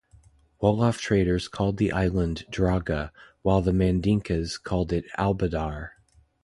Wolof traders called the island Draga, while the Mandinkas called it Albadar.